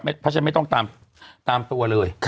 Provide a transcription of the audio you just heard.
เพราะฉะนั้นไม่ต้องตามตัวเลย